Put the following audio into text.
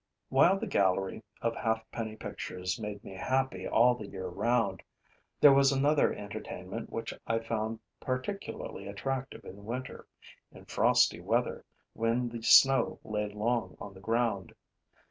While the gallery of halfpenny pictures made me happy all the year round, there was another entertainment which I found particularly attractive in winter, in frosty weather, when the snow lay long on the ground.